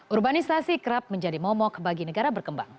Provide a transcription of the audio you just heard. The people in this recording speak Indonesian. urbanisasi kerap menjadi momok bagi negara berkembang